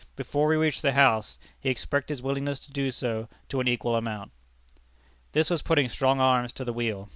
Before we reached the House, he expressed his willingness to do so to an equal amount." This was putting strong arms to the wheel.